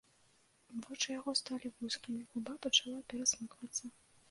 Вочы яго сталі вузкімі, губа пачала перасмыквацца.